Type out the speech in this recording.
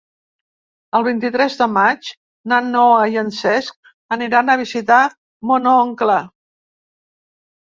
El vint-i-tres de maig na Noa i en Cesc aniran a visitar mon oncle.